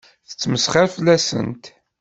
Tettmesxiṛ fell-asent.